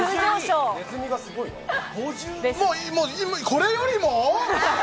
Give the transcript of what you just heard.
これよりも？